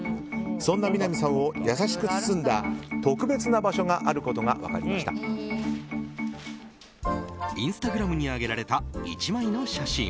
そんな南さんを優しく包んだ特別な場所があることがインスタグラムに上げられた１枚の写真。